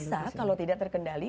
bisa kalau tidak terkendali